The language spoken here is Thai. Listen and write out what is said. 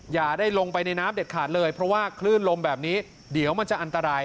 อย่าได้ลงไปในน้ำเด็ดขาดเลยเพราะว่าคลื่นลมแบบนี้เดี๋ยวมันจะอันตราย